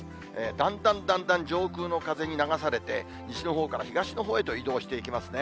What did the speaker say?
だんだんだんだん上空の風に流されて、西のほうから東のほうへと移動していきますね。